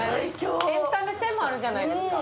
エンタメ性もあるじゃないですか。